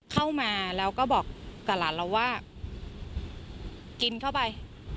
เข้ามาแล้วก็บอกกับหลานเราว่ากินเข้าไป